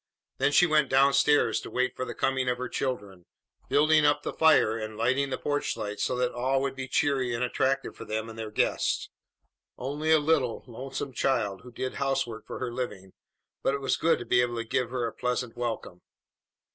Then she went down stairs to wait for the coming of her children, building up the fire and lighting the porch light so that all would be cheery and attractive for them and their guest. Only a little, lonesome child who did housework for her living, but it was good to be able to give her a pleasant welcome.